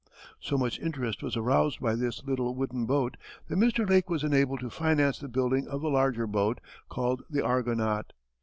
So much interest was aroused by this little wooden boat that Mr. Lake was enabled to finance the building of a larger boat, called the Argonaut.